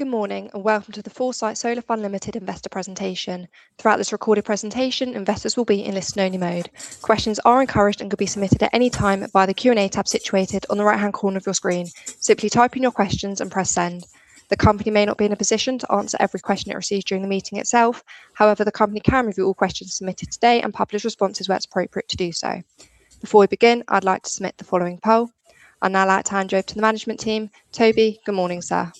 Good morning, and welcome to the Foresight Solar Fund Limited investor presentation. Throughout this recorded presentation, investors will be in a listen only mode. Questions are encouraged and can be submitted at any time via the Q&A tab situated on the right-hand corner of your screen. Simply type in your questions and press send. The company may not be in a position to answer every question it receives during the meeting itself. However, the company can review all questions submitted today and publish responses where it's appropriate to do so. Before we begin, I'd like to submit the following poll. I'll now hand over to the management team. Toby, good morning, sir.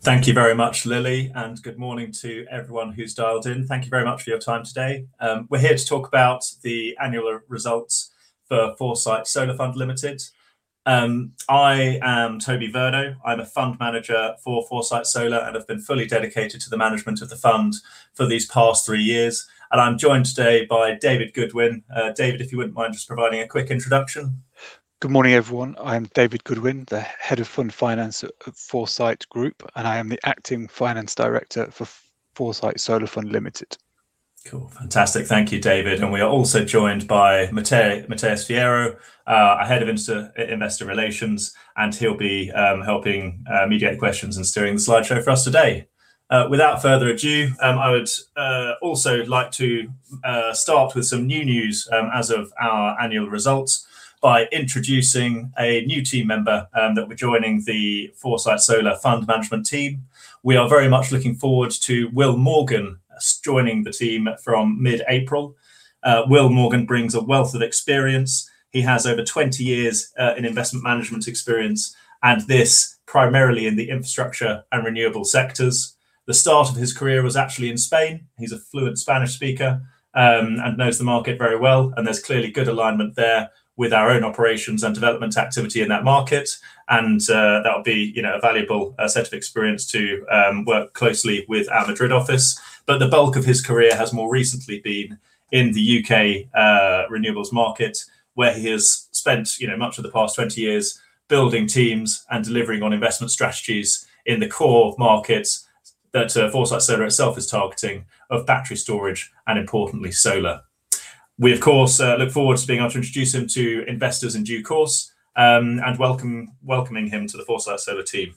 Thank you very much, Lily, and good morning to everyone who's dialed in. Thank you very much for your time today. We're here to talk about the annual results for Foresight Solar Fund Limited. I am Toby Virno. I'm a Fund Manager for Foresight Solar and have been fully dedicated to the management of the fund for these past three years. I'm joined today by David Goodwin. David, if you wouldn't mind just providing a quick introduction. Good morning, everyone. I'm David Goodwin, the Head of Fund Finance at Foresight Group, and I am the Acting Finance Director for Foresight Solar Fund Limited. Cool. Fantastic. Thank you, David. We are also joined by Matheus Fierro, our Head of Investor Relations, and he'll be helping mediate questions and steering the slideshow for us today. Without further ado, I would also like to start with some new news as of our annual results by introducing a new team member that will be joining the Foresight Solar Fund management team. We are very much looking forward to Will Morgan joining the team from mid-April. Will Morgan brings a wealth of experience. He has over 20 years in investment management experience, and this primarily in the infrastructure and renewable sectors. The start of his career was actually in Spain. He's a fluent Spanish speaker and knows the market very well, and there's clearly good alignment there with our own operations and development activity in that market. That would be, you know, a valuable set of experience to work closely with our Madrid office. The bulk of his career has more recently been in the U.K. renewables market, where he has spent, you know, much of the past 20 years building teams and delivering on investment strategies in the core markets that Foresight Solar itself is targeting of battery storage and importantly, solar. We, of course, look forward to being able to introduce him to investors in due course and welcome him to the Foresight Solar team.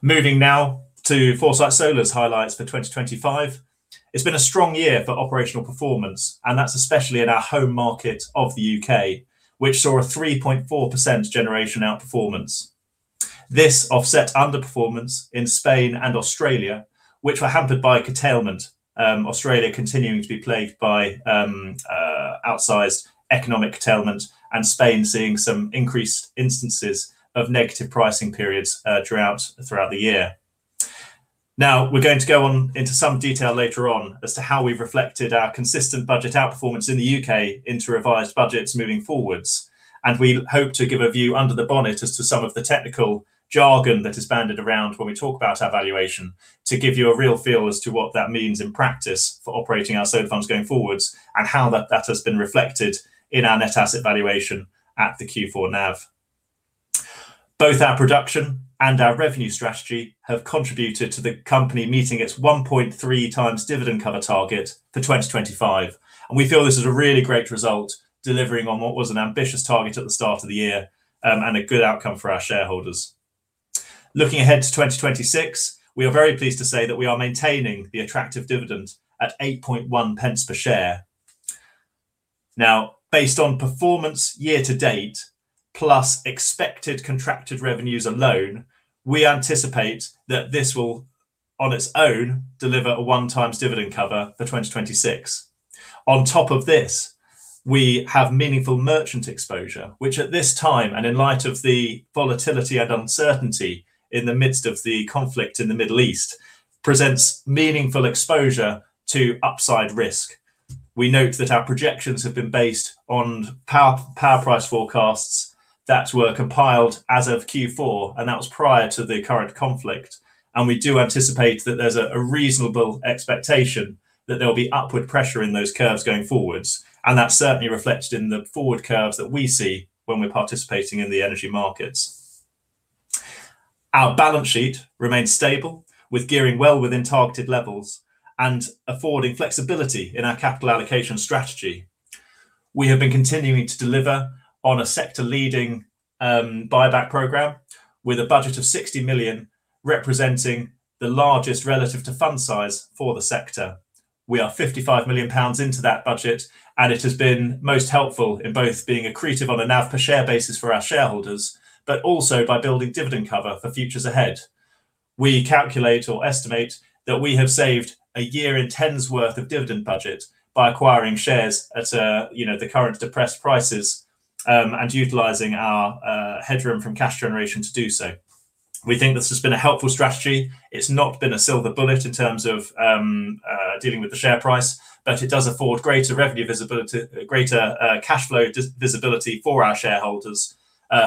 Moving now to Foresight Solar's highlights for 2025. It's been a strong year for operational performance, and that's especially in our home market of the U.K., which saw a 3.4% generation outperformance. This offset underperformance in Spain and Australia, which were hampered by curtailment. Australia continuing to be plagued by outsized economic curtailment and Spain seeing some increased instances of negative pricing periods throughout the year. We're going to go on into some detail later on as to how we've reflected our consistent budget outperformance in the U.K. into revised budgets moving forwards. We hope to give a view under the bonnet as to some of the technical jargon that is banded around when we talk about our valuation to give you a real feel as to what that means in practice for operating our solar funds going forwards and how that has been reflected in our net asset valuation at the Q4 NAV. Both our production and our revenue strategy have contributed to the company meeting its 1.3 times dividend cover target for 2025. We feel this is a really great result, delivering on what was an ambitious target at the start of the year, and a good outcome for our shareholders. Looking ahead to 2026, we are very pleased to say that we are maintaining the attractive dividend at 8.1 pence per share. Now, based on performance year to date, plus expected contracted revenues alone, we anticipate that this will, on its own, deliver a 1x dividend cover for 2026. On top of this, we have meaningful merchant exposure, which at this time, and in light of the volatility and uncertainty in the midst of the conflict in the Middle East, presents meaningful exposure to upside risk. We note that our projections have been based on power price forecasts that were compiled as of Q4, and that was prior to the current conflict. We do anticipate that there's a reasonable expectation that there'll be upward pressure in those curves going forwards. That's certainly reflected in the forward curves that we see when we're participating in the energy markets. Our balance sheet remains stable, with gearing well within targeted levels and affording flexibility in our capital allocation strategy. We have been continuing to deliver on a sector-leading buyback program with a budget of 60 million, representing the largest relative to fund size for the sector. We are 55 million pounds into that budget, and it has been most helpful in both being accretive on a NAV per share basis for our shareholders, but also by building dividend cover for futures ahead. We calculate or estimate that we have saved ten years' worth of dividend budget by acquiring shares at, you know, the current depressed prices, and utilizing our headroom from cash generation to do so. We think this has been a helpful strategy. It's not been a silver bullet in terms of dealing with the share price, but it does afford greater revenue visibility, greater cash flow visibility for our shareholders,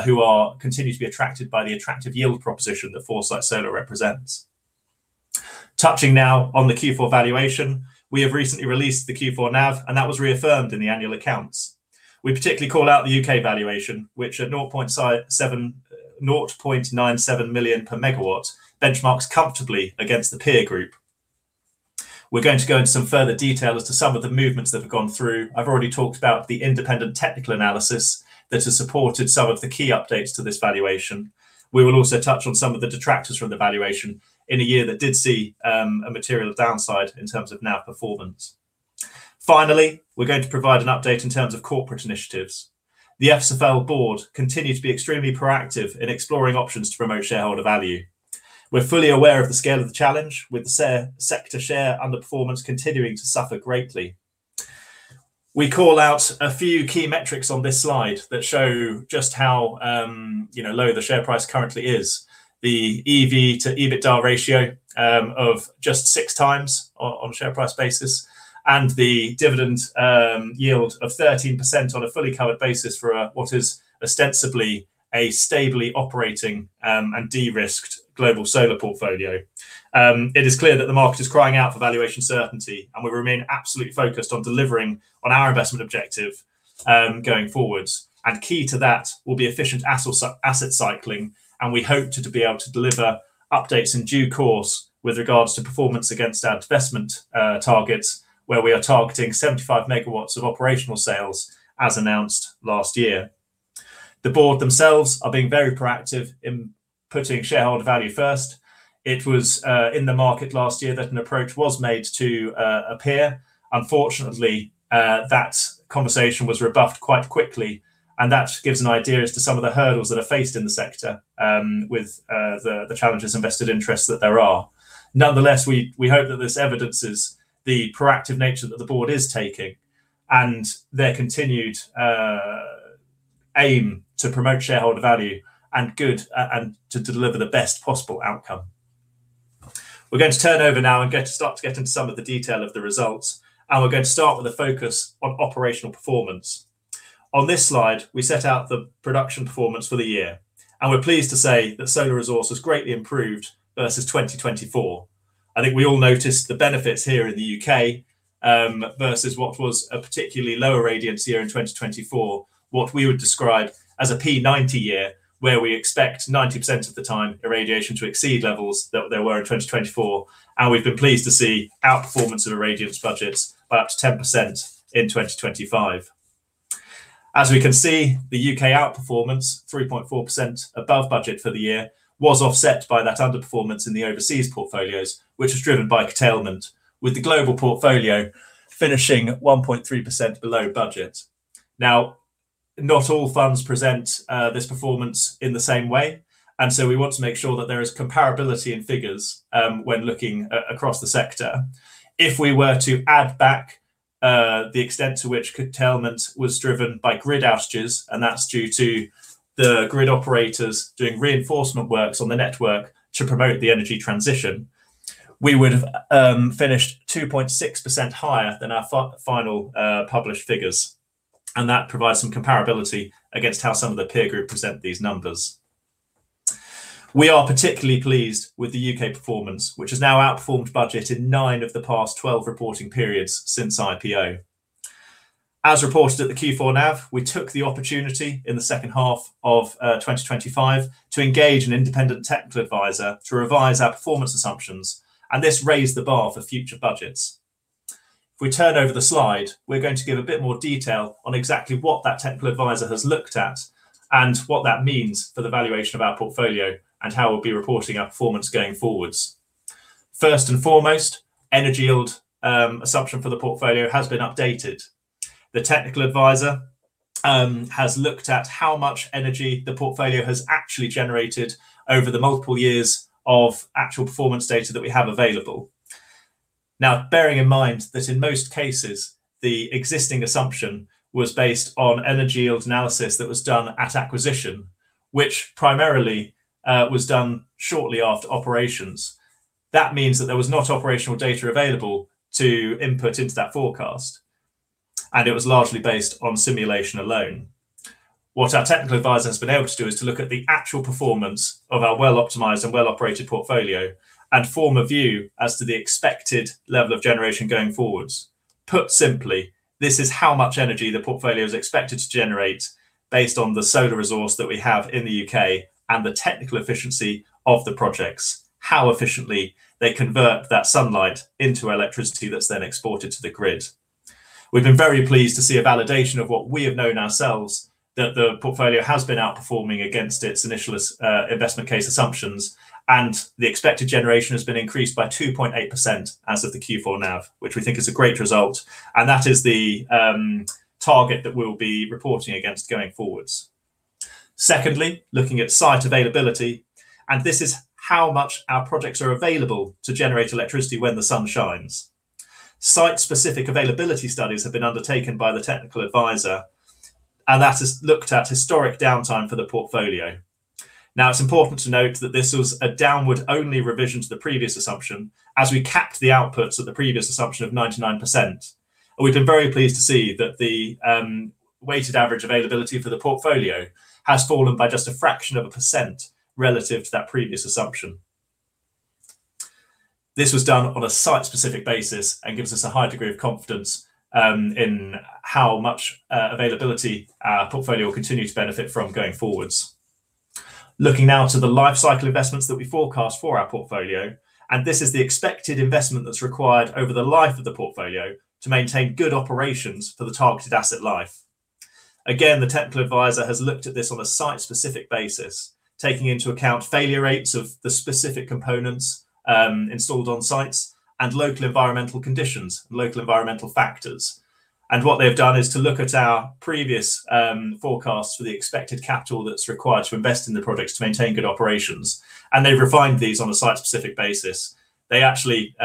who are continuing to be attracted by the attractive yield proposition that Foresight Solar represents. Touching now on the Q4 valuation, we have recently released the Q4 NAV, and that was reaffirmed in the annual accounts. We particularly call out the U.K. valuation, which at 0.97 million per megawatt benchmarks comfortably against the peer group. We're going to go into some further detail as to some of the movements that have gone through. I've already talked about the independent technical analysis that has supported some of the key updates to this valuation. We will also touch on some of the detractors from the valuation in a year that did see a material downside in terms of NAV performance. Finally, we're going to provide an update in terms of corporate initiatives. The FSFL board continue to be extremely proactive in exploring options to promote shareholder value. We're fully aware of the scale of the challenge with sector share and the performance continuing to suffer greatly. We call out a few key metrics on this slide that show just how, you know, low the share price currently is. The EV to EBITDA ratio of just 6x on a share price basis and the dividend yield of 13% on a fully covered basis for what is ostensibly a stably operating and de-risked global solar portfolio. It is clear that the market is crying out for valuation certainty, and we remain absolutely focused on delivering on our investment objective, going forwards. Key to that will be efficient asset cycling, and we hope to be able to deliver updates in due course with regards to performance against our divestment targets, where we are targeting 75 MW of operational sales as announced last year. The board themselves are being very proactive in putting shareholder value first. It was in the market last year that an approach was made to acquire. Unfortunately, that conversation was rebuffed quite quickly, and that gives an idea as to some of the hurdles that are faced in the sector, with the challenges and vested interests that there are. Nonetheless, we hope that this evidences the proactive nature that the board is taking and their continued aim to promote shareholder value and good and to deliver the best possible outcome. We're going to turn over now and going to start to get into some of the detail of the results, and we're going to start with a focus on operational performance. On this slide, we set out the production performance for the year, and we're pleased to say that solar resource has greatly improved versus 2024. I think we all noticed the benefits here in the U.K. versus what was a particularly lower irradiance year in 2024, what we would describe as a P90 year, where we expect 90% of the time irradiation to exceed levels that there were in 2024, and we've been pleased to see outperformance of irradiance budgets by up to 10% in 2025. As we can see, the U.K. outperformance, 3.4% above budget for the year, was offset by that underperformance in the overseas portfolios, which was driven by curtailment, with the global portfolio finishing 1.3% below budget. Now, not all funds present this performance in the same way, and so we want to make sure that there is comparability in figures when looking across the sector. If we were to add back the extent to which curtailment was driven by grid outages, and that's due to the grid operators doing reinforcement works on the network to promote the energy transition, we would have finished 2.6% higher than our final published figures. That provides some comparability against how some of the peer group present these numbers. We are particularly pleased with the U.K. performance, which has now outperformed budget in 9 of the past 12 reporting periods since IPO. As reported at the Q4 NAV, we took the opportunity in the second half of 2025 to engage an independent technical advisor to revise our performance assumptions, and this raised the bar for future budgets. If we turn over the slide, we're going to give a bit more detail on exactly what that technical advisor has looked at and what that means for the valuation of our portfolio and how we'll be reporting our performance going forward. First and foremost, energy yield assumption for the portfolio has been updated. The technical advisor has looked at how much energy the portfolio has actually generated over the multiple years of actual performance data that we have available. Now, bearing in mind that in most cases the existing assumption was based on energy yield analysis that was done at acquisition, which primarily was done shortly after operations. That means that there was not operational data available to input into that forecast, and it was largely based on simulation alone. What our technical advisor has been able to do is to look at the actual performance of our well-optimized and well-operated portfolio and form a view as to the expected level of generation going forwards. Put simply, this is how much energy the portfolio is expected to generate based on the solar resource that we have in the U.K. and the technical efficiency of the projects, how efficiently they convert that sunlight into electricity that's then exported to the grid. We've been very pleased to see a validation of what we have known ourselves, that the portfolio has been outperforming against its initial investment case assumptions, and the expected generation has been increased by 2.8% as of the Q4 NAV, which we think is a great result, and that is the target that we'll be reporting against going forwards. Secondly, looking at site availability, and this is how much our projects are available to generate electricity when the sun shines. Site-specific availability studies have been undertaken by the technical advisor, and that has looked at historic downtime for the portfolio. Now, it's important to note that this was a downward only revision to the previous assumption as we capped the outputs at the previous assumption of 99%. We've been very pleased to see that the weighted average availability for the portfolio has fallen by just a fraction of a percent relative to that previous assumption. This was done on a site-specific basis and gives us a high degree of confidence in how much availability our portfolio will continue to benefit from going forwards. Looking now to the life cycle investments that we forecast for our portfolio, this is the expected investment that's required over the life of the portfolio to maintain good operations for the targeted asset life. Again, the technical advisor has looked at this on a site-specific basis, taking into account failure rates of the specific components installed on sites and local environmental conditions, local environmental factors. What they've done is to look at our previous forecasts for the expected capital that's required to invest in the projects to maintain good operations, and they've refined these on a site-specific basis. They actually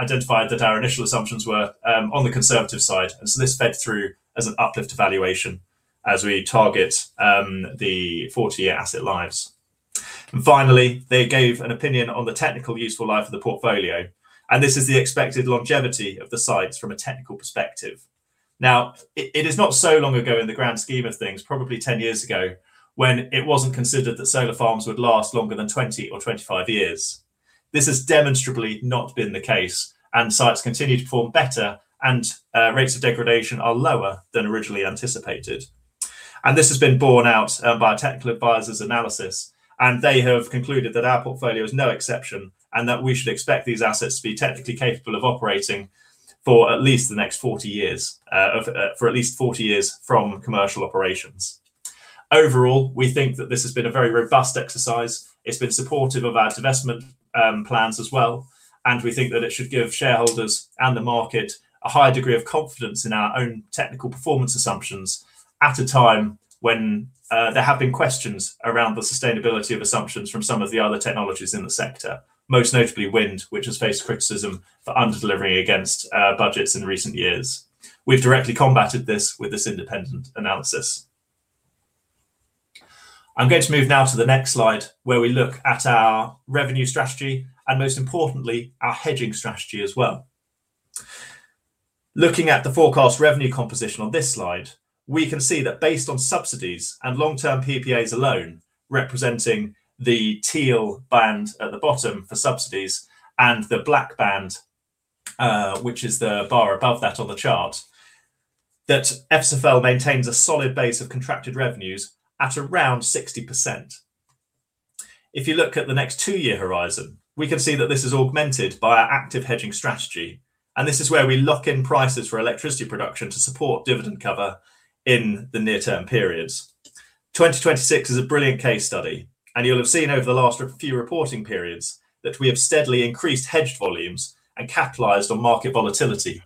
identified that our initial assumptions were on the conservative side, and so this fed through as an uplift evaluation as we target the 40-year asset lives. Finally, they gave an opinion on the technical useful life of the portfolio, and this is the expected longevity of the sites from a technical perspective. Now, it is not so long ago in the grand scheme of things, probably 10 years ago, when it wasn't considered that solar farms would last longer than 20 or 25 years. This has demonstrably not been the case, and sites continue to perform better and rates of degradation are lower than originally anticipated. This has been borne out by our technical advisors' analysis, and they have concluded that our portfolio is no exception, and that we should expect these assets to be technically capable of operating for at least the next 40 years from commercial operations. Overall, we think that this has been a very robust exercise. It's been supportive of our investment plans as well, and we think that it should give shareholders and the market a higher degree of confidence in our own technical performance assumptions at a time when there have been questions around the sustainability of assumptions from some of the other technologies in the sector, most notably wind, which has faced criticism for under-delivering against budgets in recent years. We've directly combated this with this independent analysis. I'm going to move now to the next slide, where we look at our revenue strategy and most importantly our hedging strategy as well. Looking at the forecast revenue composition on this slide, we can see that based on subsidies and long-term PPAs alone, representing the teal band at the bottom for subsidies and the black band, which is the bar above that on the chart, that FSFL maintains a solid base of contracted revenues at around 60%. If you look at the next two-year horizon, we can see that this is augmented by our active hedging strategy, and this is where we lock in prices for electricity production to support dividend cover in the near term periods. 2026 is a brilliant case study, and you'll have seen over the last few reporting periods that we have steadily increased hedged volumes and capitalized on market volatility,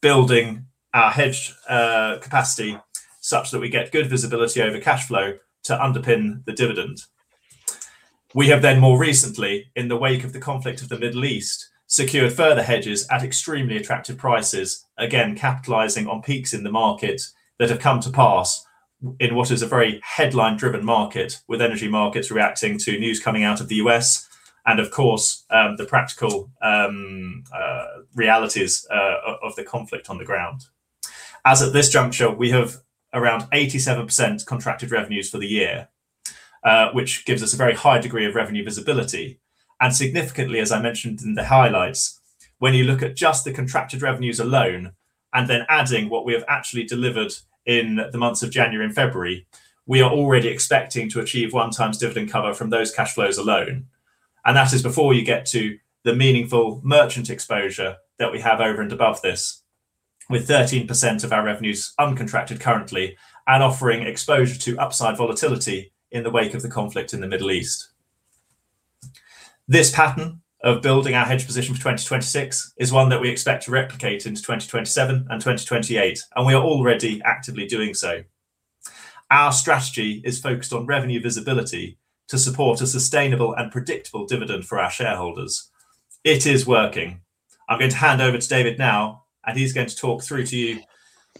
building our hedge capacity such that we get good visibility over cash flow to underpin the dividend. We have then more recently, in the wake of the conflict of the Middle East, secured further hedges at extremely attractive prices, again, capitalizing on peaks in the market that have come to pass in what is a very headline-driven market, with energy markets reacting to news coming out of the U.S. and of course, the practical realities of the conflict on the ground. As of this juncture, we have around 87% contracted revenues for the year, which gives us a very high degree of revenue visibility. Significantly, as I mentioned in the highlights, when you look at just the contracted revenues alone and then adding what we have actually delivered in the months of January and February, we are already expecting to achieve 1x dividend cover from those cash flows alone. That is before you get to the meaningful merchant exposure that we have over and above this, with 13% of our revenues uncontracted currently and offering exposure to upside volatility in the wake of the conflict in the Middle East. This pattern of building our hedge position for 2026 is one that we expect to replicate into 2027 and 2028, and we are already actively doing so. Our strategy is focused on revenue visibility to support a sustainable and predictable dividend for our shareholders. It is working. I'm going to hand over to David now, and he's going to talk through to you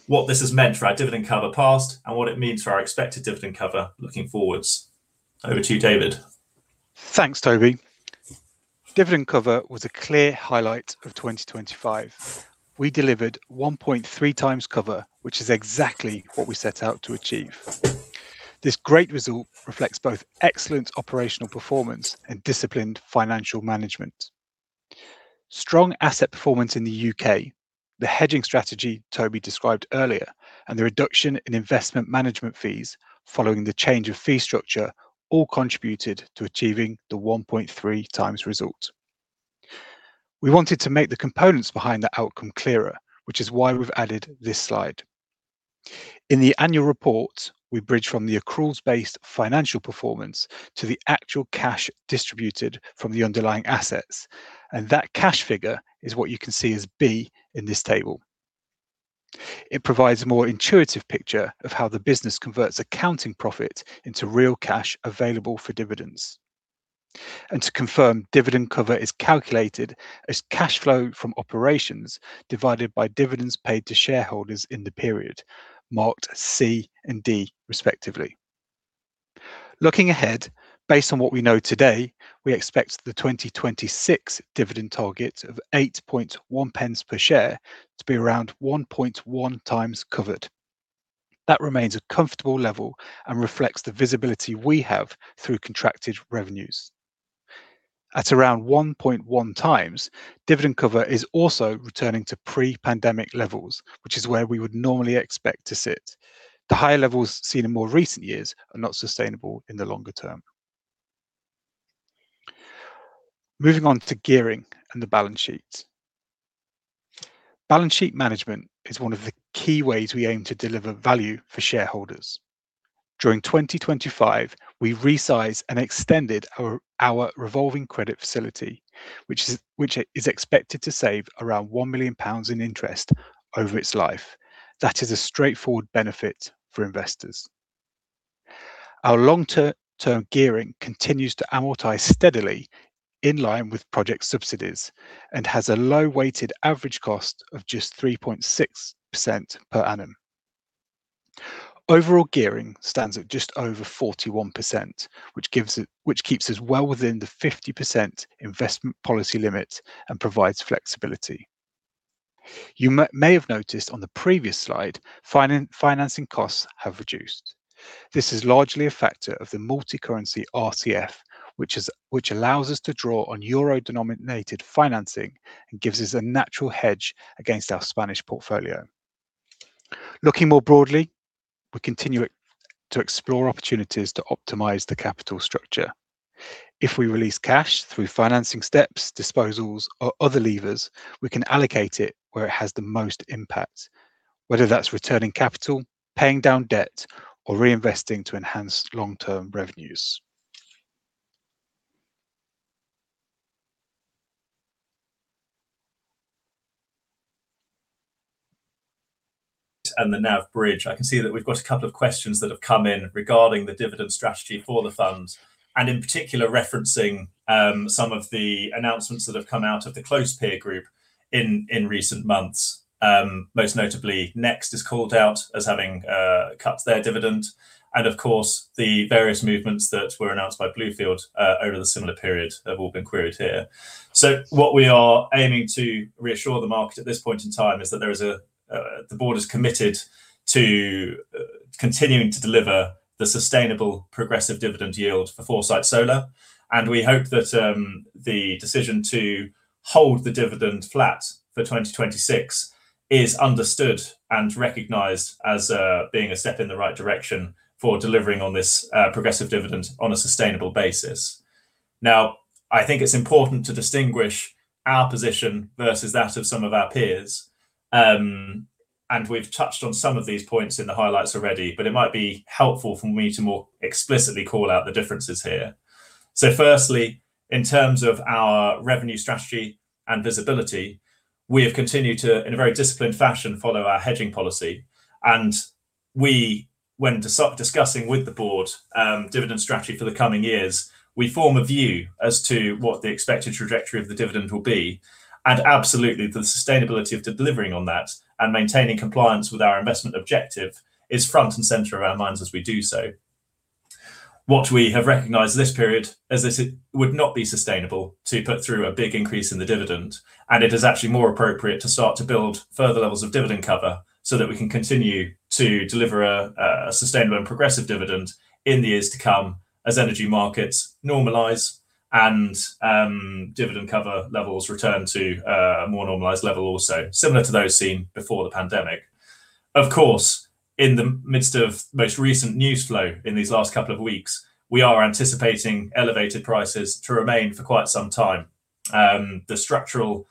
what this has meant for our dividend cover past and what it means for our expected dividend cover looking forwards. Over to you, David. Thanks, Toby. Dividend cover was a clear highlight of 2025. We delivered 1.3 times cover, which is exactly what we set out to achieve. This great result reflects both excellent operational performance and disciplined financial management. Strong asset performance in the U.K., the hedging strategy Toby described earlier, and the reduction in investment management fees following the change of fee structure all contributed to achieving the 1.3 times result. We wanted to make the components behind that outcome clearer, which is why we've added this slide. In the annual report, we bridge from the accruals-based financial performance to the actual cash distributed from the underlying assets, and that cash figure is what you can see as B in this table. It provides a more intuitive picture of how the business converts accounting profit into real cash available for dividends. To confirm, dividend cover is calculated as cash flow from operations divided by dividends paid to shareholders in the period, marked C and D respectively. Looking ahead, based on what we know today, we expect the 2026 dividend target of 8.1 pence per share to be around 1.1 times covered. That remains a comfortable level and reflects the visibility we have through contracted revenues. At around 1.1 times, dividend cover is also returning to pre-pandemic levels, which is where we would normally expect to sit. The higher levels seen in more recent years are not sustainable in the longer term. Moving on to gearing and the balance sheets. Balance sheet management is one of the key ways we aim to deliver value for shareholders. During 2025, we resized and extended our revolving credit facility, which is expected to save around 1 million pounds in interest over its life. That is a straightforward benefit for investors. Our long-term gearing continues to amortize steadily in line with project subsidies and has a low weighted average cost of just 3.6% per annum. Overall gearing stands at just over 41%, which keeps us well within the 50% investment policy limit and provides flexibility. You may have noticed on the previous slide, financing costs have reduced. This is largely a factor of the multicurrency RCF, which allows us to draw on euro-denominated financing and gives us a natural hedge against our Spanish portfolio. Looking more broadly, we continue to explore opportunities to optimize the capital structure. If we release cash through financing steps, disposals, or other levers, we can allocate it where it has the most impact, whether that's returning capital, paying down debt, or reinvesting to enhance long-term revenues. The NAV bridge, I can see that we've got a couple of questions that have come in regarding the dividend strategy for the fund and in particular referencing some of the announcements that have come out of the closed peer group in recent months. Most notably, NESF is called out as having cut their dividend and of course the various movements that were announced by Bluefield over the similar period have all been queried here. What we are aiming to reassure the market at this point in time is that the board is committed to continuing to deliver the sustainable progressive dividend yield for Foresight Solar. We hope that the decision to hold the dividend flat for 2026 is understood and recognized as being a step in the right direction for delivering on this progressive dividend on a sustainable basis. Now, I think it's important to distinguish our position versus that of some of our peers. We've touched on some of these points in the highlights already, but it might be helpful for me to more explicitly call out the differences here. Firstly, in terms of our revenue strategy and visibility, we have continued to, in a very disciplined fashion, follow our hedging policy. We, when discussing with the board dividend strategy for the coming years, we form a view as to what the expected trajectory of the dividend will be. Absolutely the sustainability of delivering on that and maintaining compliance with our investment objective is front and center of our minds as we do so. What we have recognized this period is this would not be sustainable to put through a big increase in the dividend, and it is actually more appropriate to start to build further levels of dividend cover so that we can continue to deliver a sustainable and progressive dividend in the years to come as energy markets normalize and dividend cover levels return to a more normalized level also, similar to those seen before the pandemic. Of course, in the midst of most recent news flow in these last couple of weeks, we are anticipating elevated prices to remain for quite some time. The structural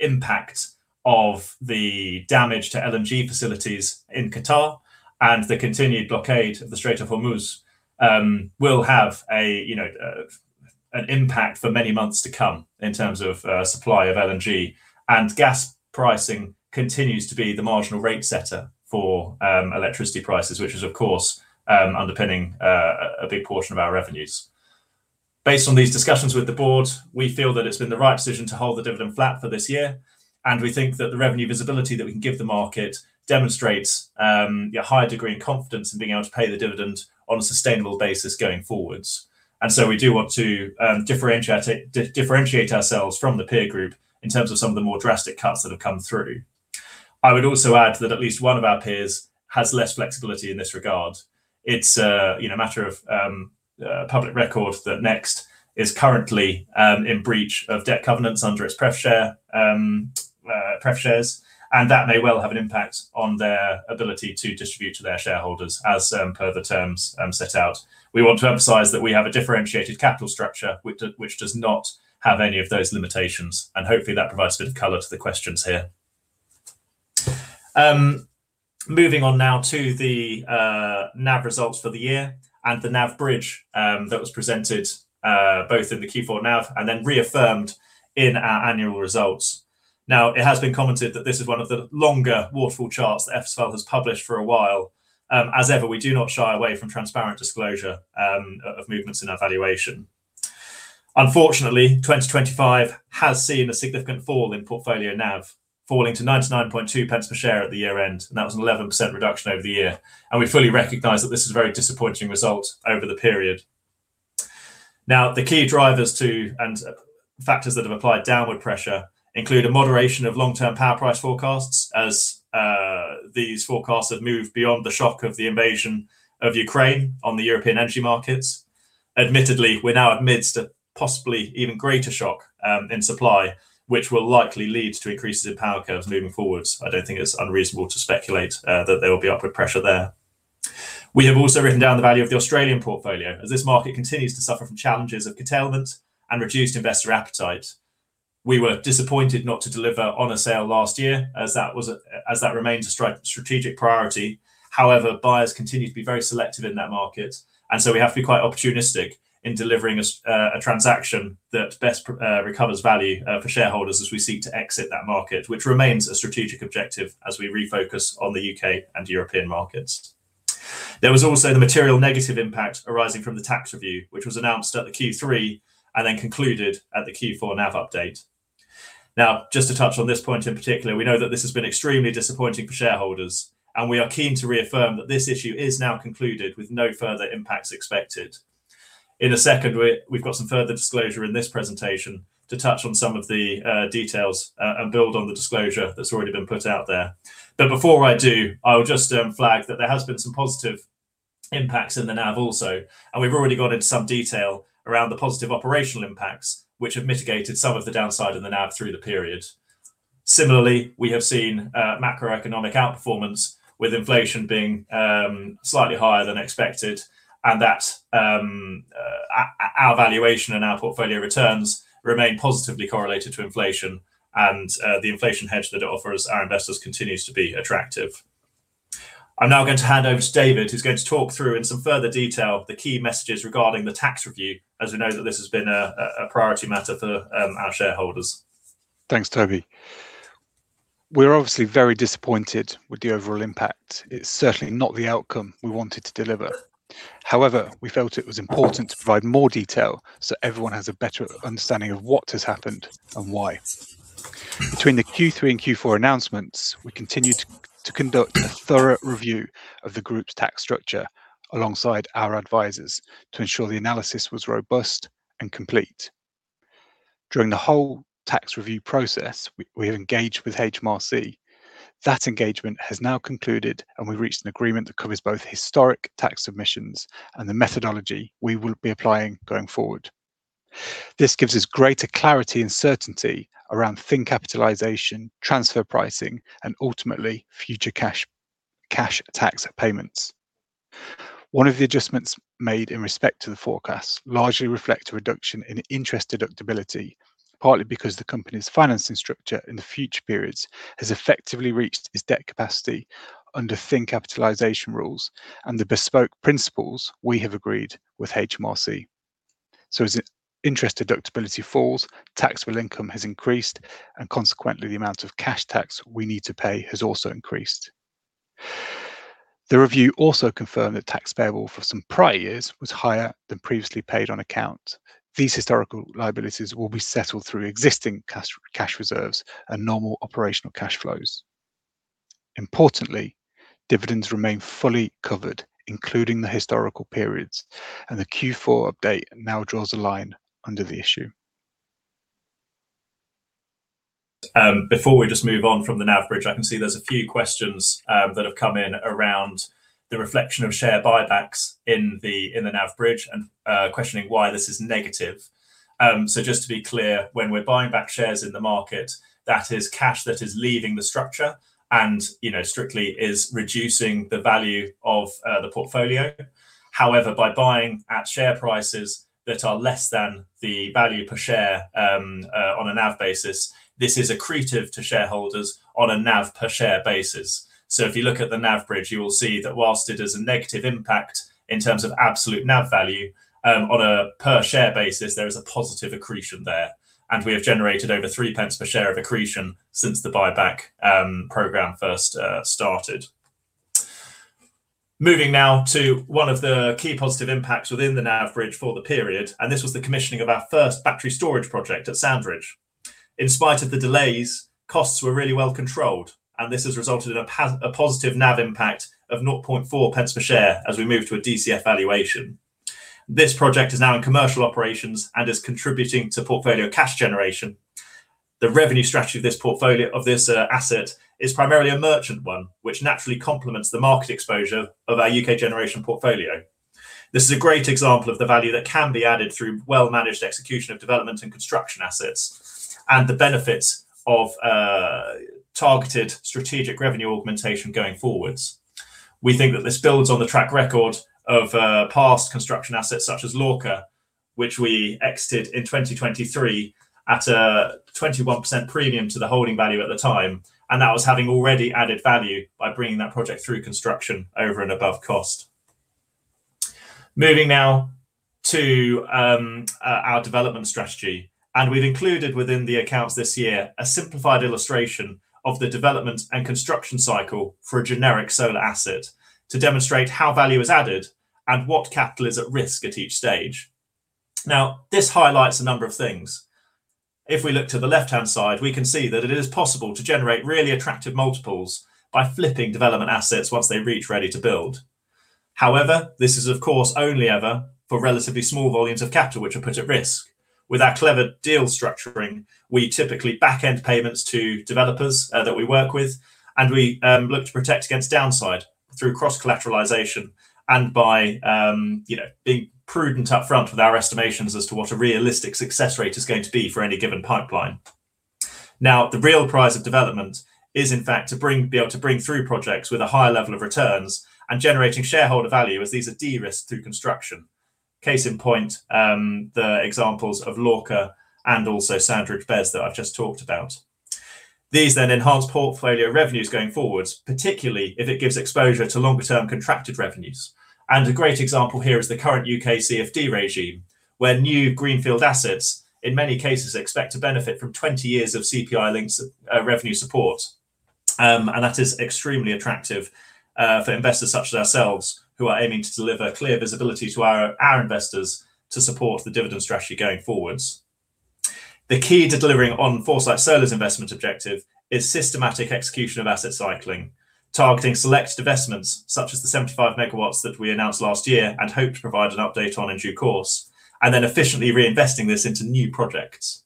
impact of the damage to LNG facilities in Qatar and the continued blockade of the Strait of Hormuz will have a you know an impact for many months to come in terms of supply of LNG. Gas pricing continues to be the marginal rate setter for electricity prices, which is of course underpinning a big portion of our revenues. Based on these discussions with the board, we feel that it's been the right decision to hold the dividend flat for this year, and we think that the revenue visibility that we can give the market demonstrates a higher degree of confidence in being able to pay the dividend on a sustainable basis going forwards. We do want to differentiate ourselves from the peer group in terms of some of the more drastic cuts that have come through. I would also add that at least one of our peers has less flexibility in this regard. It's you know, a matter of public record that Next is currently in breach of debt covenants under its pref shares, and that may well have an impact on their ability to distribute to their shareholders as per the terms set out. We want to emphasize that we have a differentiated capital structure which does not have any of those limitations, and hopefully that provides a bit of color to the questions here. Moving on now to the NAV results for the year and the NAV bridge that was presented both in the Q4 NAV and then reaffirmed in our annual results. Now, it has been commented that this is one of the longer waterfall charts that FSFL has published for a while. As ever, we do not shy away from transparent disclosure of movements in our valuation. Unfortunately, 2025 has seen a significant fall in portfolio NAV, falling to 0.992 per share at the year-end, and that was an 11% reduction over the year. We fully recognize that this is a very disappointing result over the period. Now, the key drivers and factors that have applied downward pressure include a moderation of long-term power price forecasts as these forecasts have moved beyond the shock of the invasion of Ukraine on the European energy markets. Admittedly, we're now amidst a possibly even greater shock in supply, which will likely lead to increases in power curves moving forwards. I don't think it's unreasonable to speculate that there will be upward pressure there. We have also written down the value of the Australian portfolio, as this market continues to suffer from challenges of curtailment and reduced investor appetite. We were disappointed not to deliver on a sale last year as that remained a strategic priority. However, buyers continue to be very selective in that market, and so we have to be quite opportunistic in delivering a transaction that best recovers value for shareholders as we seek to exit that market, which remains a strategic objective as we refocus on the U.K. and European markets. There was also the material negative impact arising from the tax review, which was announced at the Q3 and then concluded at the Q4 NAV update. Now, just to touch on this point in particular, we know that this has been extremely disappointing for shareholders, and we are keen to reaffirm that this issue is now concluded with no further impacts expected. In a second, we've got some further disclosure in this presentation to touch on some of the details and build on the disclosure that's already been put out there. Before I do, I will just flag that there has been some positive impacts in the NAV also, and we've already gone into some detail around the positive operational impacts, which have mitigated some of the downside in the NAV through the period. Similarly, we have seen macroeconomic outperformance with inflation being slightly higher than expected and that our valuation and our portfolio returns remain positively correlated to inflation and the inflation hedge that it offers our investors continues to be attractive. I'm now going to hand over to David, who's going to talk through in some further detail the key messages regarding the tax review, as we know that this has been a priority matter for our shareholders. Thanks, Toby. We're obviously very disappointed with the overall impact. It's certainly not the outcome we wanted to deliver. However, we felt it was important to provide more detail so everyone has a better understanding of what has happened and why. Between the Q3 and Q4 announcements, we continued to conduct a thorough review of the group's tax structure alongside our advisors to ensure the analysis was robust and complete. During the whole tax review process, we have engaged with HMRC. That engagement has now concluded, and we've reached an agreement that covers both historic tax submissions and the methodology we will be applying going forward. This gives us greater clarity and certainty around thin capitalization, transfer pricing and ultimately future cash tax payments. One of the adjustments made in respect to the forecast largely reflect a reduction in interest deductibility, partly because the company's financing structure in the future periods has effectively reached its debt capacity under thin capitalization rules and the bespoke principles we have agreed with HMRC. As interest deductibility falls, taxable income has increased and consequently the amount of cash tax we need to pay has also increased. The review also confirmed that tax payable for some prior years was higher than previously paid on account. These historical liabilities will be settled through existing cash reserves and normal operational cash flows. Importantly, dividends remain fully covered, including the historical periods, and the Q4 update now draws a line under the issue. Before we just move on from the NAV bridge, I can see there's a few questions that have come in around the reflection of share buybacks in the NAV bridge and questioning why this is negative. So just to be clear, when we're buying back shares in the market, that is cash that is leaving the structure and, you know, strictly is reducing the value of the portfolio. However, by buying at share prices that are less than the value per share on a NAV basis, this is accretive to shareholders on a NAV per share basis. If you look at the NAV bridge, you will see that while it is a negative impact in terms of absolute NAV value, on a per share basis, there is a positive accretion there and we have generated over 3 pence per share of accretion since the buyback program first started. Moving now to one of the key positive impacts within the NAV bridge for the period, and this was the commissioning of our first battery storage project at Sandridge. In spite of the delays, costs were really well controlled and this has resulted in a positive NAV impact of 0.4 pence per share as we move to a DCF valuation. This project is now in commercial operations and is contributing to portfolio cash generation. The revenue strategy of this portfolio... of this, asset is primarily a merchant one, which naturally complements the market exposure of our U.K. generation portfolio. This is a great example of the value that can be added through well-managed execution of development and construction assets and the benefits of targeted strategic revenue augmentation going forwards. We think that this builds on the track record of past construction assets such as Lorca, which we exited in 2023 at a 21% premium to the holding value at the time, and that was having already added value by bringing that project through construction over and above cost. Moving now to our development strategy, and we've included within the accounts this year a simplified illustration of the development and construction cycle for a generic solar asset to demonstrate how value is added and what capital is at risk at each stage. Now, this highlights a number of things. If we look to the left-hand side, we can see that it is possible to generate really attractive multiples by flipping development assets once they reach ready to build. However, this is of course only ever for relatively small volumes of capital which are put at risk. With our clever deal structuring, we typically back-end payments to developers that we work with, and we look to protect against downside through cross-collateralization and by you know, being prudent upfront with our estimations as to what a realistic success rate is going to be for any given pipeline. Now, the real prize of development is in fact to be able to bring through projects with a higher level of returns and generating shareholder value as these are de-risked through construction. Case in point, the examples of Lorca and also Sandridge BESS that I've just talked about. These then enhance portfolio revenues going forward, particularly if it gives exposure to longer term contracted revenues. A great example here is the current U.K. CFD regime, where new greenfield assets in many cases expect to benefit from 20 years of CPI-linked revenue support. That is extremely attractive for investors such as ourselves, who are aiming to deliver clear visibility to our investors to support the dividend strategy going forward. The key to delivering on Foresight Solar's investment objective is systematic execution of asset cycling, targeting select divestments, such as the 75 MW that we announced last year and hope to provide an update on in due course, and then efficiently reinvesting this into new projects.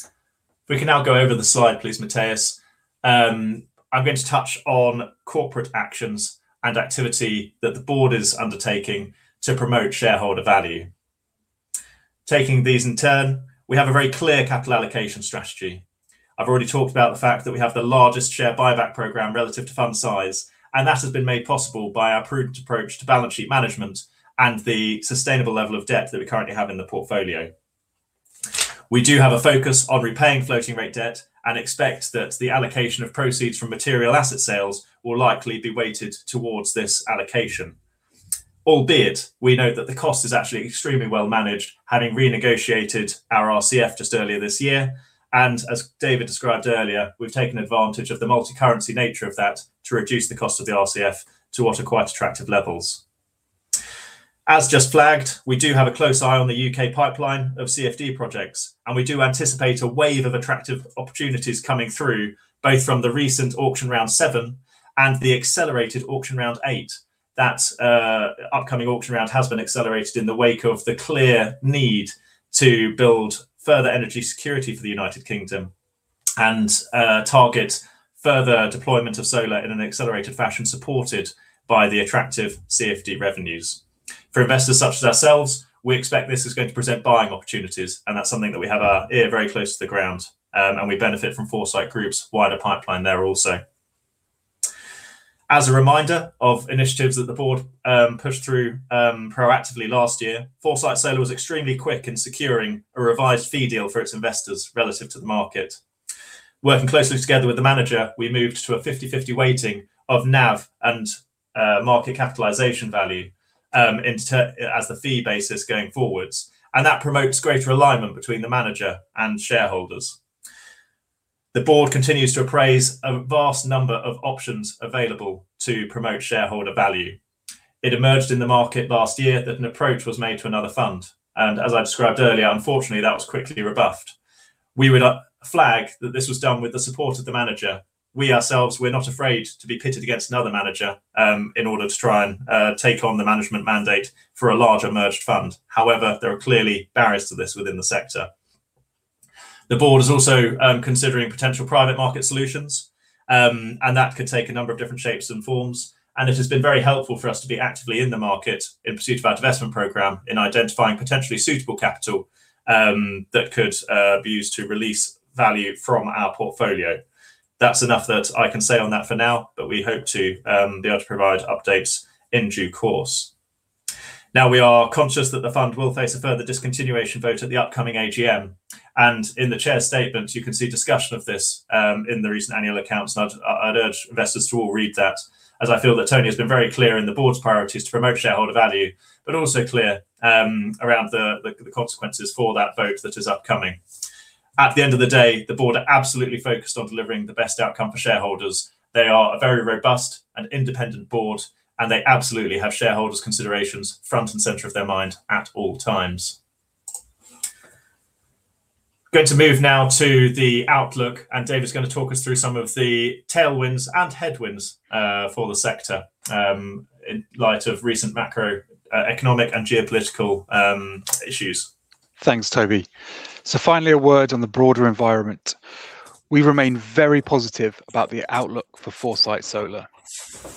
If we can now go over the slide please, Matheus. I'm going to touch on corporate actions and activity that the board is undertaking to promote shareholder value. Taking these in turn, we have a very clear capital allocation strategy. I've already talked about the fact that we have the largest share buyback program relative to fund size, and that has been made possible by our prudent approach to balance sheet management and the sustainable level of debt that we currently have in the portfolio. We do have a focus on repaying floating rate debt, and expect that the allocation of proceeds from material asset sales will likely be weighted towards this allocation. Albeit we know that the cost is actually extremely well managed, having renegotiated our RCF just earlier this year, and as David described earlier, we've taken advantage of the multicurrency nature of that to reduce the cost of the RCF to what are quite attractive levels. As just flagged, we do have a close eye on the U.K. pipeline of CFD projects, and we do anticipate a wave of attractive opportunities coming through, both from the recent auction round 7 and the accelerated auction round 8. That upcoming auction round has been accelerated in the wake of the clear need to build further energy security for the United Kingdom and target further deployment of solar in an accelerated fashion, supported by the attractive CFD revenues. For investors such as ourselves, we expect this is going to present buying opportunities, and that's something that we have our ear very close to the ground, and we benefit from Foresight Group's wider pipeline there also. As a reminder of initiatives that the board pushed through proactively last year, Foresight Solar was extremely quick in securing a revised fee deal for its investors relative to the market. Working closely together with the manager, we moved to a 50/50 weighting of NAV and market capitalization value as the fee basis going forwards, and that promotes greater alignment between the manager and shareholders. The board continues to appraise a vast number of options available to promote shareholder value. It emerged in the market last year that an approach was made to another fund, and as I described earlier, unfortunately that was quickly rebuffed. We would flag that this was done with the support of the manager. We ourselves were not afraid to be pitted against another manager in order to try and take on the management mandate for a larger merged fund. However, there are clearly barriers to this within the sector. The board is also considering potential private market solutions, and that could take a number of different shapes and forms, and it has been very helpful for us to be actively in the market in pursuit of our investment program in identifying potentially suitable capital that could be used to release value from our portfolio. That's enough that I can say on that for now, but we hope to be able to provide updates in due course. Now we are conscious that the fund will face a further discontinuation vote at the upcoming AGM, and in the Chair's statement, you can see discussion of this in the recent annual accounts. I'd urge investors to all read that, as I feel that Tony has been very clear in the Board's priorities to promote shareholder value, but also clear around the consequences for that vote that is upcoming. At the end of the day, the Board are absolutely focused on delivering the best outcome for shareholders. They are a very robust and independent Board, and they absolutely have shareholders' considerations front and center of their mind at all times. Going to move now to the outlook, and David's going to talk us through some of the tailwinds and headwinds for the sector in light of recent macro economic and geopolitical issues. Thanks, Toby. Finally, a word on the broader environment. We remain very positive about the outlook for Foresight Solar.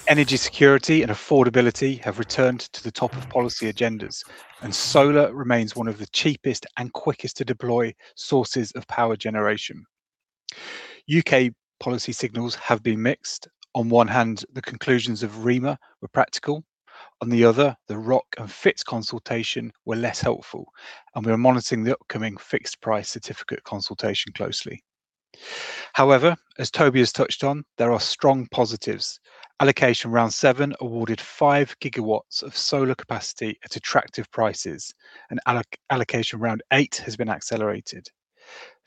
Energy security and affordability have returned to the top of policy agendas, and solar remains one of the cheapest and quickest to deploy sources of power generation. U.K. policy signals have been mixed. On one hand, the conclusions of REMA were practical. On the other, the ROC and FITs consultation were less helpful, and we are monitoring the upcoming Fixed Price Certificate consultation closely. However, as Toby has touched on, there are strong positives. Allocation Round 7 awarded 5 GW of solar capacity at attractive prices, and allocation Round 8 has been accelerated.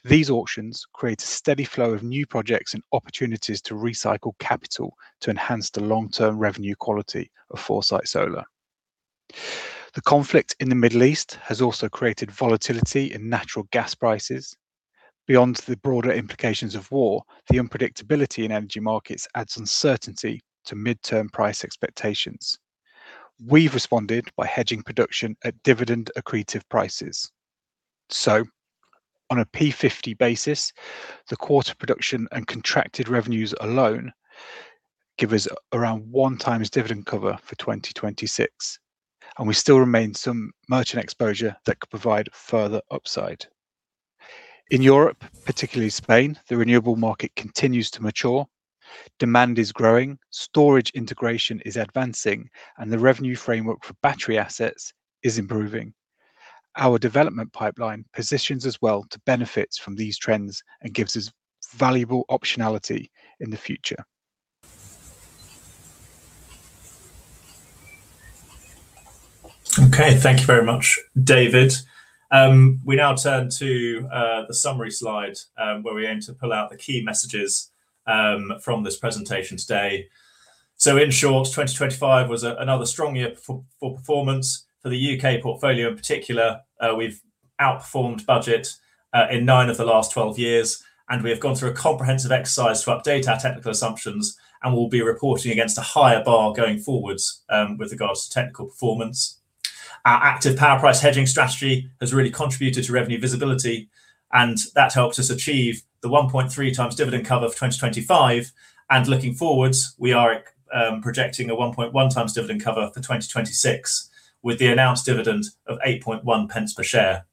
These auctions create a steady flow of new projects and opportunities to recycle capital to enhance the long-term revenue quality of Foresight Solar. The conflict in the Middle East has also created volatility in natural gas prices. Beyond the broader implications of war, the unpredictability in energy markets adds uncertainty to midterm price expectations. We've responded by hedging production at dividend accretive prices. On a P50 basis, the quarter production and contracted revenues alone give us around 1x dividend cover for 2026, and we still remain some merchant exposure that could provide further upside. In Europe, particularly Spain, the renewable market continues to mature. Demand is growing, storage integration is advancing, and the revenue framework for battery assets is improving. Our development pipeline positions us well to benefit from these trends and gives us valuable optionality in the future. Okay. Thank you very much, David. We now turn to the summary slide where we aim to pull out the key messages from this presentation today. In short, 2025 was another strong year for performance for the UK portfolio in particular. We've outperformed budget in nine of the last 12 years, and we have gone through a comprehensive exercise to update our technical assumptions, and we'll be reporting against a higher bar going forwards with regards to technical performance. Our active power price hedging strategy has really contributed to revenue visibility, and that helped us achieve the 1.3x dividend cover for 2025. Looking forwards, we are projecting a 1.1x dividend cover for 2026 with the announced dividend of 0.081 per share.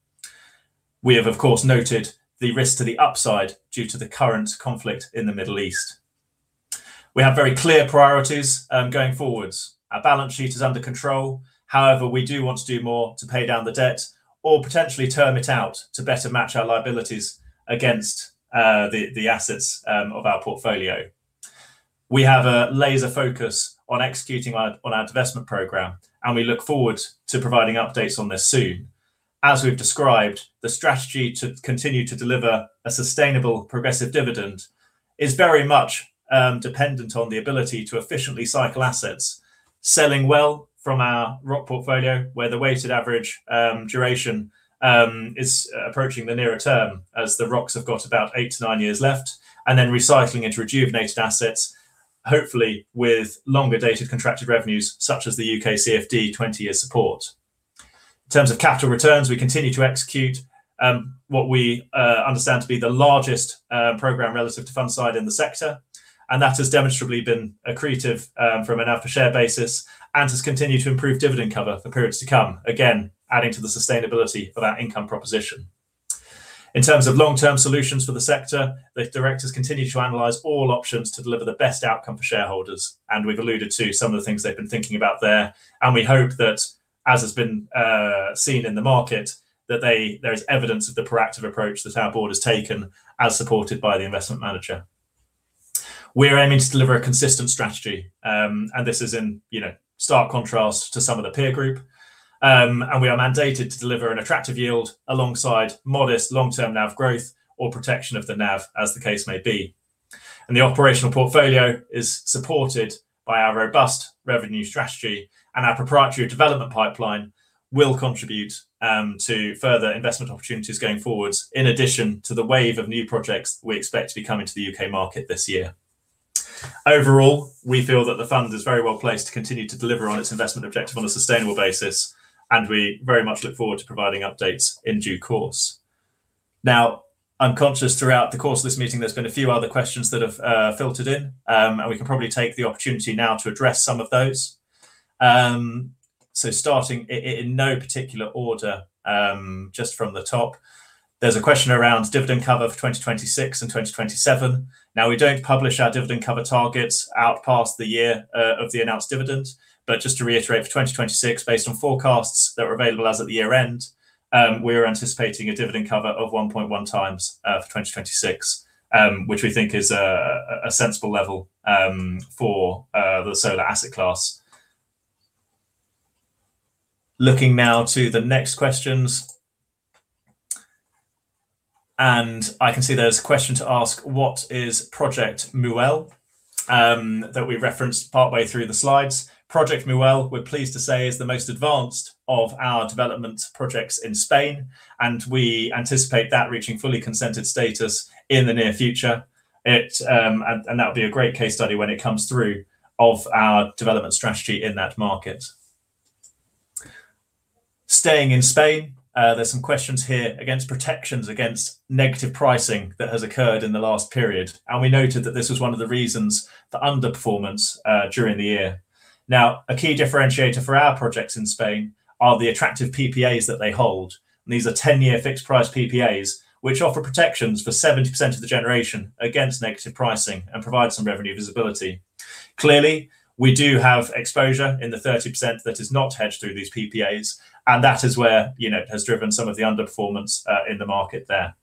We have of course noted the risk to the upside due to the current conflict in the Middle East. We have very clear priorities going forwards. Our balance sheet is under control. However, we do want to do more to pay down the debt or potentially term it out to better match our liabilities against the assets of our portfolio. We have a laser focus on executing our investment program, and we look forward to providing updates on this soon. As we've described, the strategy to continue to deliver a sustainable progressive dividend is very much dependent on the ability to efficiently cycle assets, selling assets from our ROC portfolio, where the weighted average duration is approaching the nearer term as the ROCs have got about 8-9 years left, and then recycling into rejuvenated assets, hopefully with longer dated contracted revenues such as the UK CFD 20-year support. In terms of capital returns, we continue to execute what we understand to be the largest program relative to fund size in the sector, and that has demonstrably been accretive from a NAV per share basis and has continued to improve dividend cover for periods to come, again, adding to the sustainability of our income proposition. In terms of long-term solutions for the sector, the directors continue to analyze all options to deliver the best outcome for shareholders, and we've alluded to some of the things they've been thinking about there, and we hope that, as has been, seen in the market, there is evidence of the proactive approach that our board has taken as supported by the investment manager. We're aiming to deliver a consistent strategy. This is in, you know, stark contrast to some of the peer group. We are mandated to deliver an attractive yield alongside modest long-term NAV growth or protection of the NAV as the case may be. The operational portfolio is supported by our robust revenue strategy, and our proprietary development pipeline will contribute to further investment opportunities going forwards in addition to the wave of new projects we expect to be coming to the U.K. market this year. Overall, we feel that the fund is very well placed to continue to deliver on its investment objective on a sustainable basis, and we very much look forward to providing updates in due course. Now, I'm conscious throughout the course of this meeting, there's been a few other questions that have filtered in, and we can probably take the opportunity now to address some of those. So starting in no particular order, just from the top, there's a question around dividend cover for 2026 and 2027. Now, we don't publish our dividend cover targets out past the year of the announced dividend. Just to reiterate, for 2026, based on forecasts that were available as of the year-end, we're anticipating a dividend cover of 1.1x for 2026, which we think is a sensible level for the solar asset class. Looking now to the next questions, and I can see there's a question to ask, what is Project Muel that we referenced partway through the slides. Project Muel, we're pleased to say, is the most advanced of our development projects in Spain, and we anticipate that reaching fully consented status in the near future. It and that would be a great case study when it comes through of our development strategy in that market. Staying in Spain, there's some questions here against protections against negative pricing that has occurred in the last period, and we noted that this was one of the reasons for underperformance during the year. Now, a key differentiator for our projects in Spain are the attractive PPAs that they hold. These are 10-year fixed price PPAs, which offer protections for 70% of the generation against negative pricing and provide some revenue visibility. Clearly, we do have exposure in the 30% that is not hedged through these PPAs, and that is where, you know, it has driven some of the underperformance in the market there.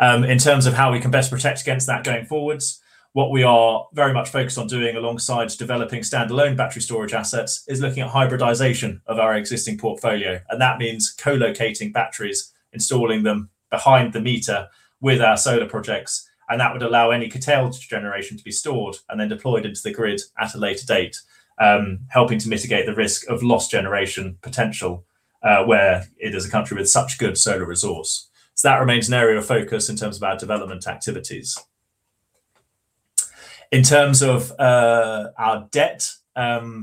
In terms of how we can best protect against that going forwards, what we are very much focused on doing alongside developing standalone battery storage assets is looking at hybridization of our existing portfolio, and that means co-locating batteries, installing them behind the meter with our solar projects, and that would allow any curtailed generation to be stored and then deployed into the grid at a later date, helping to mitigate the risk of lost generation potential where it is a country with such good solar resource. That remains an area of focus in terms of our development activities. In terms of our debt,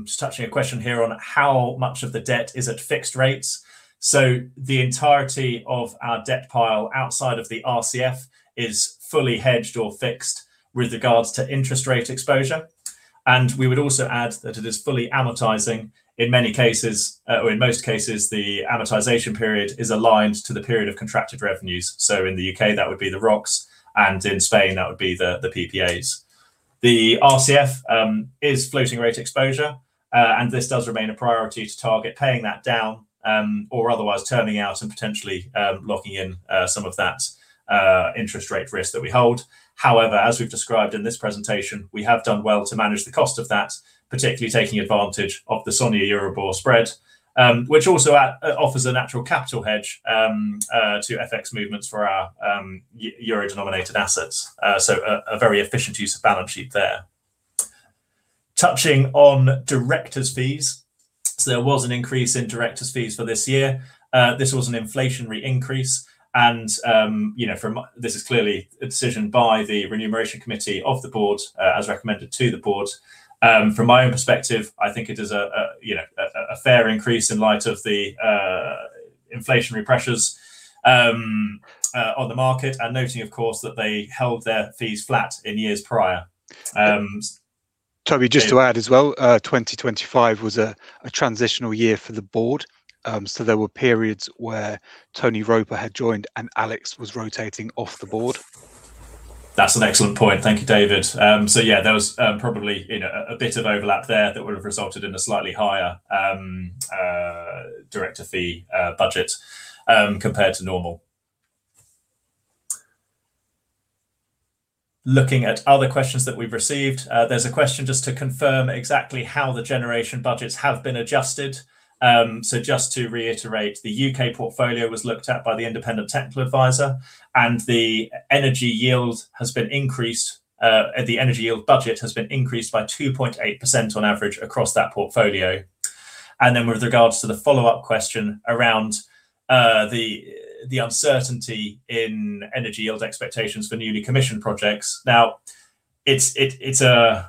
just touching a question here on how much of the debt is at fixed rates. The entirety of our debt pile outside of the RCF is fully hedged or fixed with regards to interest rate exposure. We would also add that it is fully amortizing. In many cases, or in most cases, the amortization period is aligned to the period of contracted revenues. In the U.K., that would be the ROCs, and in Spain, that would be the PPAs. The RCF is floating rate exposure, and this does remain a priority to target paying that down, or otherwise turning out and potentially locking in some of that interest rate risk that we hold. However, as we've described in this presentation, we have done well to manage the cost of that, particularly taking advantage of the SONIA-EURIBOR spread, which also offers a natural capital hedge to FX movements for our Euro denominated assets. A very efficient use of balance sheet there. Touching on directors' fees. There was an increase in directors' fees for this year. This was an inflationary increase and this is clearly a decision by the Remuneration Committee of the board, as recommended to the board. From my own perspective, I think it is a fair increase in light of the inflationary pressures on the market, and noting, of course, that they held their fees flat in years prior. Toby, just to add as well, 2025 was a transitional year for the board. There were periods where Tony Roper had joined and Alex was rotating off the board. That's an excellent point. Thank you, David. Yeah, there was probably, you know, a bit of overlap there that would have resulted in a slightly higher director fee budget compared to normal. Looking at other questions that we've received, there's a question just to confirm exactly how the generation budgets have been adjusted. Just to reiterate, the U.K. portfolio was looked at by the independent technical advisor, and the energy yield has been increased, the energy yield budget has been increased by 2.8% on average across that portfolio. With regards to the follow-up question around the uncertainty in energy yield expectations for newly commissioned projects. Now, it's a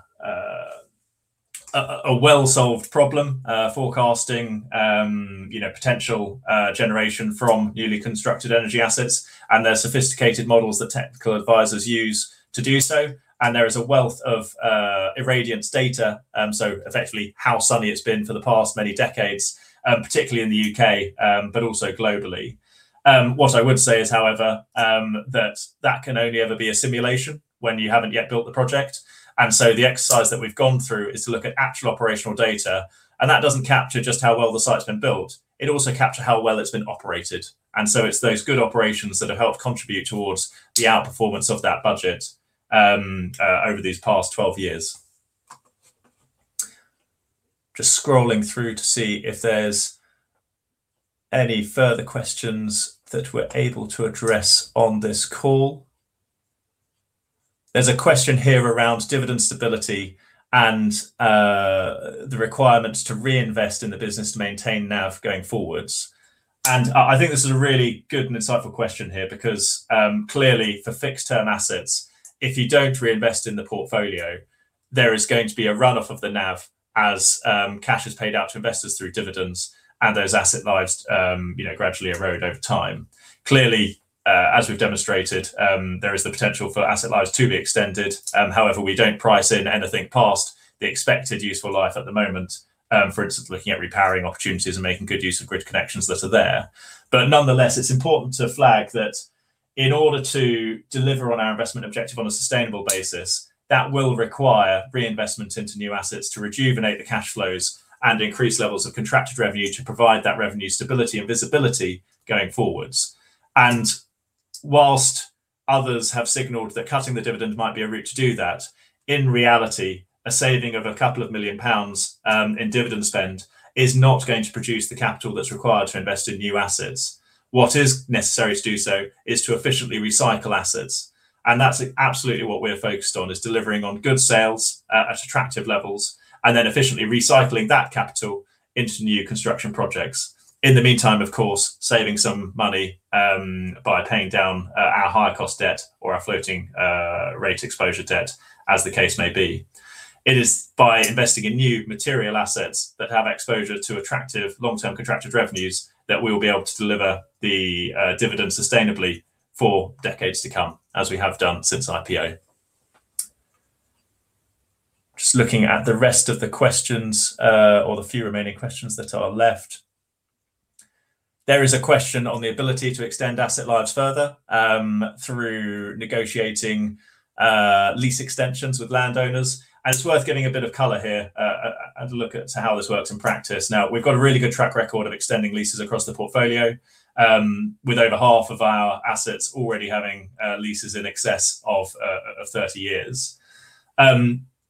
well-solved problem, you know, potential generation from newly constructed energy assets, and there are sophisticated models that technical advisors use to do so. There is a wealth of irradiance data, so effectively how sunny it's been for the past many decades, particularly in the U.K., but also globally. What I would say is, however, that can only ever be a simulation when you haven't yet built the project. The exercise that we've gone through is to look at actual operational data, and that doesn't capture just how well the site's been built. It also captures how well it's been operated. It's those good operations that have helped contribute towards the outperformance of that budget over these past 12 years. Just scrolling through to see if there's any further questions that we're able to address on this call. There's a question here around dividend stability and the requirements to reinvest in the business to maintain NAV going forwards. I think this is a really good and insightful question here, because clearly for fixed term assets, if you don't reinvest in the portfolio, there is going to be a run off of the NAV as cash is paid out to investors through dividends and those asset lives you know gradually erode over time. Clearly, as we've demonstrated, there is the potential for asset lives to be extended. However, we don't price in anything past the expected useful life at the moment, for instance, looking at repowering opportunities and making good use of grid connections that are there. Nonetheless, it's important to flag that in order to deliver on our investment objective on a sustainable basis, that will require reinvestment into new assets to rejuvenate the cash flows and increase levels of contracted revenue to provide that revenue stability and visibility going forwards. Whilst others have signaled that cutting the dividend might be a route to do that, in reality, a saving of 2 million pounds in dividend spend is not going to produce the capital that's required to invest in new assets. What is necessary to do so is to efficiently recycle assets, and that's absolutely what we're focused on, is delivering on good sales at attractive levels and then efficiently recycling that capital into new construction projects. In the meantime, of course, saving some money by paying down our higher cost debt or our floating rate exposure debt as the case may be. It is by investing in new material assets that have exposure to attractive long-term contracted revenues that we will be able to deliver the dividend sustainably for decades to come, as we have done since IPO. Just looking at the rest of the questions, or the few remaining questions that are left. There is a question on the ability to extend asset lives further through negotiating lease extensions with landowners, and it's worth giving a bit of color here, and look at how this works in practice. Now, we've got a really good track record of extending leases across the portfolio, with over half of our assets already having leases in excess of 30 years.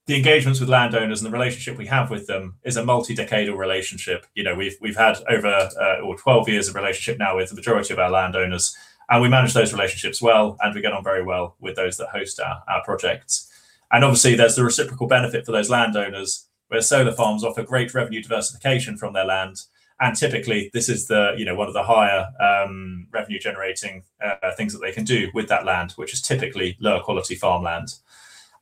The engagements with landowners and the relationship we have with them is a multi-decadal relationship. You know, we've had over, well, 12 years of relationship now with the majority of our landowners, and we manage those relationships well, and we get on very well with those that host our projects. Obviously, there's the reciprocal benefit for those landowners where solar farms offer great revenue diversification from their land, and typically this is the, you know, one of the higher revenue-generating things that they can do with that land, which is typically lower quality farmland.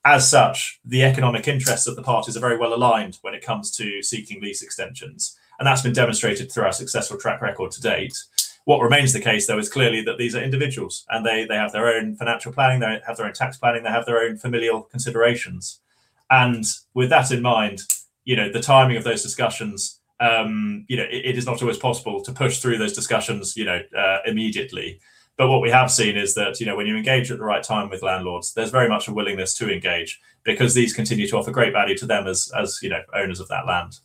As such, the economic interests of the parties are very well-aligned when it comes to seeking lease extensions, and that's been demonstrated through our successful track record to date. What remains the case though is clearly that these are individuals, and they have their own financial planning, they have their own tax planning, they have their own familial considerations. With that in mind, you know, the timing of those discussions, you know, it is not always possible to push through those discussions, you know, immediately. What we have seen is that, you know, when you engage at the right time with landlords, there's very much a willingness to engage because these continue to offer great value to them as you know, owners of that land.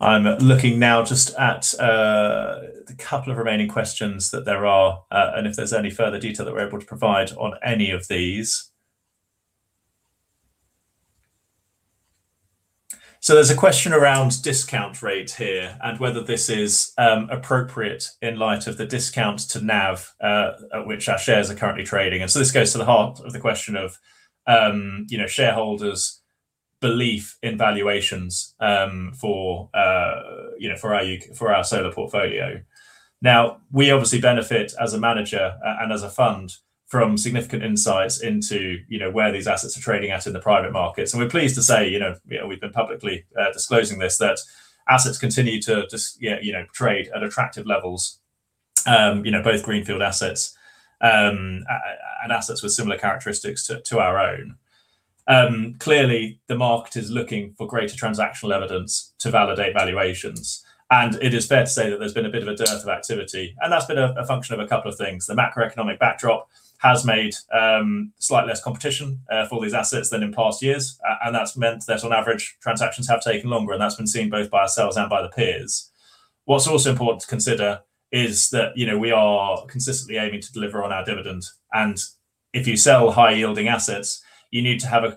I'm looking now just at the couple of remaining questions that there are, and if there's any further detail that we're able to provide on any of these. There's a question around discount rate here and whether this is appropriate in light of the discount to NAV at which our shares are currently trading. This goes to the heart of the question of, you know, shareholders' belief in valuations for you know for our solar portfolio. Now, we obviously benefit as a manager and as a fund from significant insights into, you know, where these assets are trading at in the private market. We're pleased to say, you know, we've been publicly disclosing this, that assets continue to just trade at attractive levels, you know, both greenfield assets and assets with similar characteristics to our own. Clearly, the market is looking for greater transactional evidence to validate valuations, and it is fair to say that there's been a bit of a dearth of activity, and that's been a function of a couple of things. The macroeconomic backdrop has made slightly less competition for these assets than in past years. That's meant that on average, transactions have taken longer, and that's been seen both by ourselves and by the peers. What's also important to consider is that, you know, we are consistently aiming to deliver on our dividend. If you sell high-yielding assets, you need to have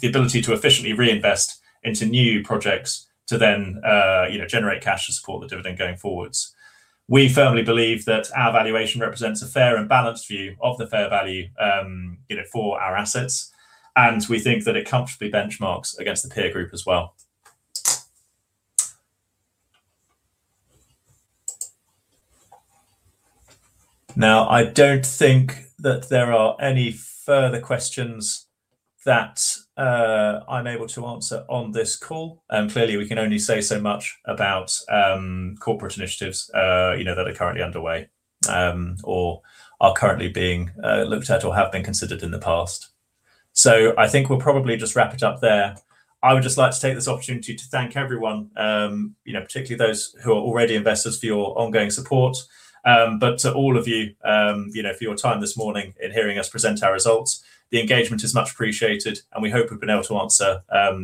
the ability to efficiently reinvest into new projects to then you know generate cash to support the dividend going forwards. We firmly believe that our valuation represents a fair and balanced view of the fair value you know for our assets, and we think that it comfortably benchmarks against the peer group as well. Now, I don't think that there are any further questions that I'm able to answer on this call. Clearly we can only say so much about corporate initiatives you know that are currently underway or are currently being looked at or have been considered in the past. I think we'll probably just wrap it up there. I would just like to take this opportunity to thank everyone, you know, particularly those who are already investors for your ongoing support. To all of you know, for your time this morning in hearing us present our results, the engagement is much appreciated, and we hope we've been able to answer,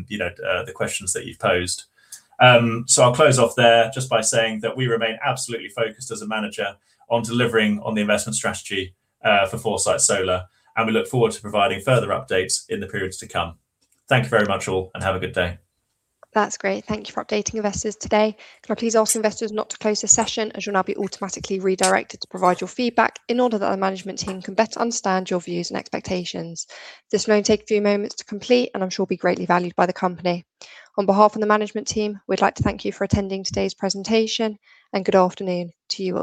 you know, the questions that you've posed. I'll close off there just by saying that we remain absolutely focused as a manager on delivering on the investment strategy, for Foresight Solar, and we look forward to providing further updates in the periods to come. Thank you very much all, and have a good day. That's great. Thank you for updating investors today. Can I please ask investors not to close the session, as you'll now be automatically redirected to provide your feedback in order that the management team can better understand your views and expectations. This will only take a few moments to complete, and I'm sure will be greatly valued by the company. On behalf of the management team, we'd like to thank you for attending today's presentation, and good afternoon to you all.